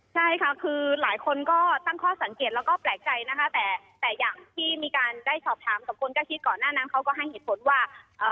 ใช่ค่ะคือหลายคนก็ตั้งข้อสังเกตแล้วก็แปลกใจนะคะแต่แต่อย่างที่มีการได้สอบถามกับคนใกล้ชิดก่อนหน้านั้นเขาก็ให้เหตุผลว่า